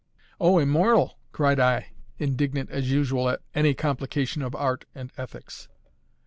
"O, immoral!" cried I, indignant as usual at any complication of art and ethics.